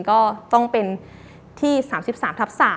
ก็ต้องเป็นที่๓๓ทับ๓